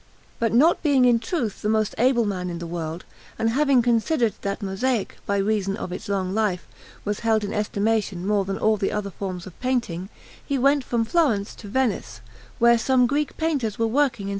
But not being in truth the most able man in the world, and having considered that mosaic, by reason of its long life, was held in estimation more than all the other forms of painting, he went from Florence to Venice, where some Greek painters were working in S.